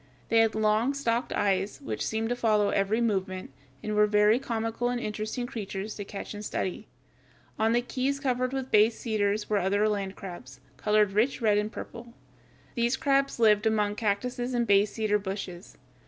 They had long, stalked eyes, which seem to follow every movement, and were very comical and interesting creatures to watch and study. On the keys covered with bay cedars were other land crabs (Fig. 147), colored rich red and purple. These crabs lived among the cactuses and bay cedar bushes.